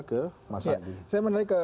ke mas adi saya menarik ke